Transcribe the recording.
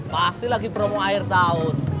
pasti lagi promo air tahun